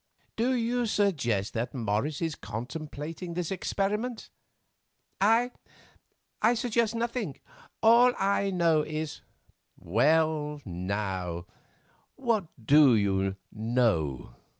"Do you suggest that Morris is contemplating this experiment?" "I? I suggest nothing; all I know is——" "Well, now, what do you know?"